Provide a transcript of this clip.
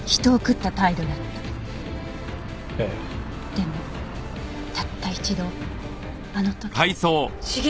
でもたった一度あの時だけ。